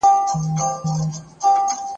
دغه کتاب چي تاسي یې غواړئ په دغې هټې کي نسته.